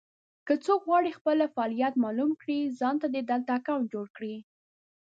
که څوک غواړي خپل فعالیت مالوم کړي ځانته دې دلته اکونټ جوړ کړي.